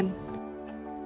những bãi biển ngàn